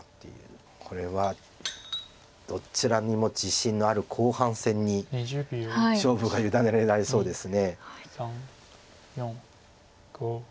これはどちらにも自信のある後半戦に勝負が委ねられそうです。